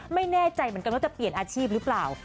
ไม่แน่ใจเหมือนกันว่าจะเปลี่ยนอาชีพหรือเปล่า